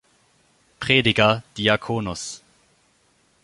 Prediger "Diaconus".